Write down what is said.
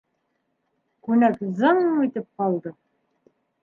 Күнәк зың итеп ҡалды.